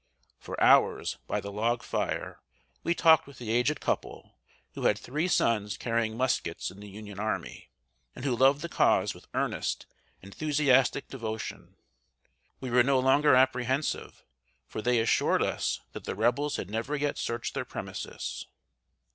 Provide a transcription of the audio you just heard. For hours, by the log fire, we talked with the aged couple, who had three sons carrying muskets in the Union army, and who loved the Cause with earnest, enthusiastic devotion. We were no longer apprehensive; for they assured us that the Rebels had never yet searched their premises.